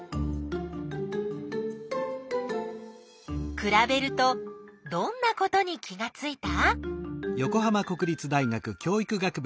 くらべるとどんなことに気がついた？